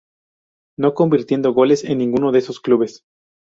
No convirtiendo goles en ninguno de esos clubes.